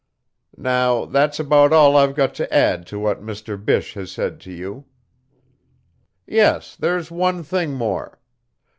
"Now, that's about all I've got to add to what Mr. Bysshe has said to you. Yes, there's one thing more.